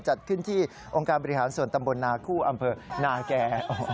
จัดขึ้นที่องค์การบริหารส่วนตำบลนาคู่อำเภอนาแก่